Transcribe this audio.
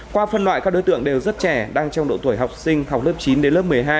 qua phân loại các đối tượng đều rất trẻ đang trong độ tuổi học sinh học lớp chín đến lớp một mươi hai